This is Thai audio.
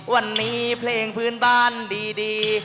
วันนี้เพลงพื้นบ้านดี